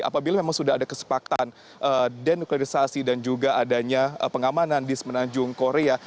apabila memang sudah ada kesepakatan denuklerisasi dan juga adanya pengamanan di semenanjung korea